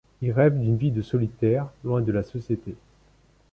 Il rêve d'une vie de solitaire, loin de la société.